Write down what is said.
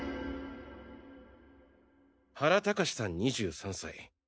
原隆司さん２３歳。